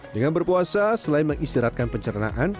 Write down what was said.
dengan berpuasa selain mengistirahatkan pencernaan